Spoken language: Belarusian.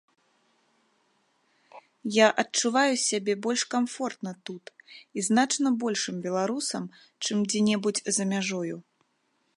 Я адчуваю сябе больш камфортна тут, і значна большым беларусам, чым дзе-небудзь за мяжою.